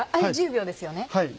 １０秒ですよね。